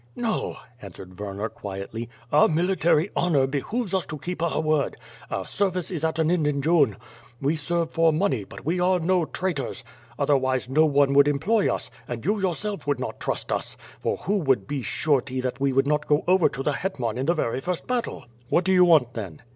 "No," answered Werner quietly. "Our military honor be hooves us to keep our word. Our service it at an end in June. We serve for money; but we arc po traitor?. Otherwise no WITH FlUE AND SWORD. 169 one would employ us, and you yourself would not trust us; for who would be surety that we would not go over to the Hetman in the very first battle." '*What do you want then?''